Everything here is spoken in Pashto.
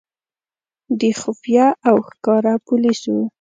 د خفیه او ښکاره پولیسو.